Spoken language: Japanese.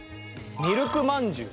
ミルクまんじゅう。